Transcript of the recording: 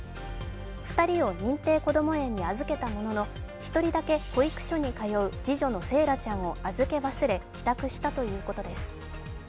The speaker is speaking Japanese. ２人を認定こども園に預けたものの１人だけ保育所に通う次女の惺愛ちゃんを預け忘れ帰宅したということです。